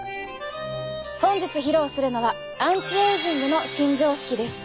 本日披露するのはアンチエイジングの新常識です。